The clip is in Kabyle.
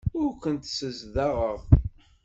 Ur kent-ssezdaɣeɣ.